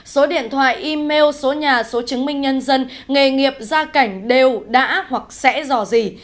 số điện thoại email số nhà số chứng minh nhân dân nghề nghiệp gia cảnh đều đã hoặc sẽ dò dỉ